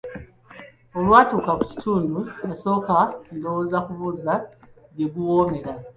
Olwatuuka ku kitundu yasooka ndowooza kubuuza gye guwoomera.